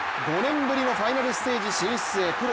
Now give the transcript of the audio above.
５年ぶりのファイナルステージ進出へプロ